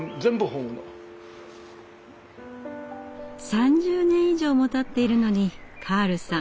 ３０年以上もたっているのにカールさん